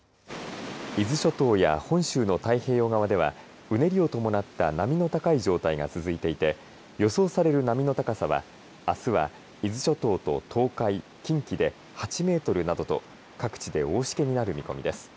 伊豆諸島や本州の太平洋側ではうねりを伴った波の高い状態が続いていて予想される波の高さはあすは伊豆諸島と東海近畿で８メートルなどと各地で大しけになる見込みです。